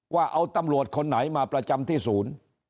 ว่าเอาตำรวจคนไหนมาประจำที่ศูนย์